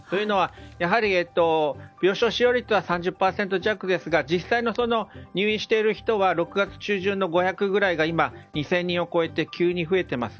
やはり病床使用率は３０％弱ですが実際の入院している人は６月中旬の５００ぐらいが今２０００人を超えて急に増えています。